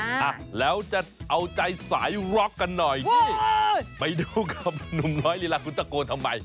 อ่ะแล้วจะเอาใจสายร็อกกันหน่อยนี่ไปดูกับหนุ่มน้อยลีลาคุณตะโกนทำไม